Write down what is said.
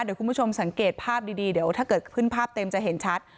เดี๋ยวคุณผู้ชมสังเกตภาพดีเดี๋ยวถ้าเกิดขึ้นภาพเต็มจะเห็นชัด